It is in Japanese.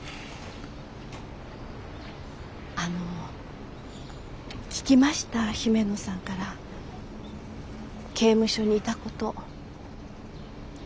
あの聞きました姫野さんから刑務所にいたこと。